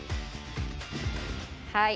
はい。